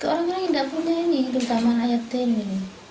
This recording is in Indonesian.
ke orang orang yang tidak pernah ini terutama ayatnya ini